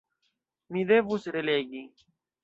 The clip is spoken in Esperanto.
Mi devus relegi.